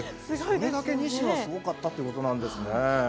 それだけニシンがすごかったってことなんですね。